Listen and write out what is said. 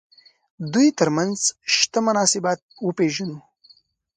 دوی تر منځ شته مناسبات وپېژنو.